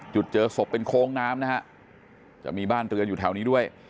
เจอศพเป็นโค้งน้ำนะฮะจะมีบ้านเรือนอยู่แถวนี้ด้วย